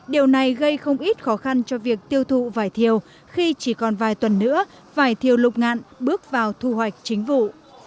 điều này gây không ít khó khăn cho việc tiêu thụ vải thiều khi chỉ còn vài tuần nữa vải thiều lục ngạn bước vào thu hoạch chính vụ